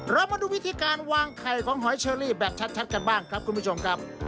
เรามาดูวิธีการวางไข่ของหอยเชอรี่แบบชัดกันบ้างครับคุณผู้ชมครับ